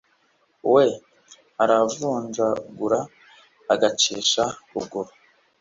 We aravunjagura agacisha ruguru